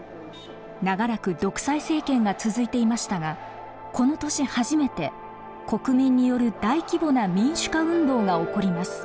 長らく独裁政権が続いていましたがこの年初めて国民による大規模な民主化運動が起こります。